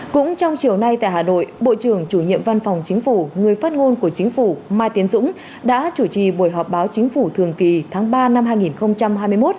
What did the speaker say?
cũng trong chiều nay tại hà nội bộ trưởng chủ nhiệm văn phòng chính phủ người phát ngôn của chính phủ mai tiến dũng đã chủ trì buổi họp báo chính phủ thường kỳ tháng ba năm hai nghìn hai mươi một